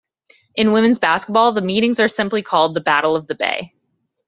In women's basketball, the meetings are simply called the Battle of the Bay.